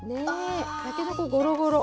たけのこごろごろ。